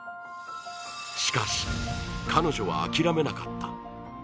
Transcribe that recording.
しかし、彼女は諦めなかった。